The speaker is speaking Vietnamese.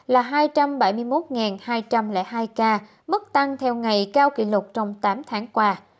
là hai trăm bảy mươi một hai trăm linh hai ca mức tăng theo ngày cao kỷ lục trong tám tháng qua